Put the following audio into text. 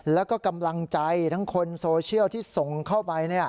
แล้วก็กำลังใจทั้งคนโซเชียลที่ส่งเข้าไป